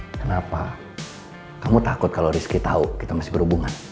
kenapa kamu takut kalau rizky tahu kita masih berhubungan